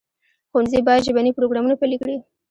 ښوونځي باید ژبني پروګرامونه پلي کړي.